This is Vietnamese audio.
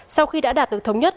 sau khi đã đạt được thống nhất